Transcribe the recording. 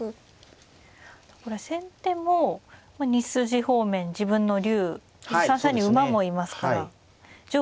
これは先手も２筋方面自分の竜３三に馬もいますから上部広いですよね。